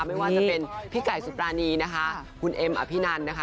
ไม่ว่าจะเป็นพี่ไก่สุปรานีนะคะคุณเอ็มอภินันนะคะ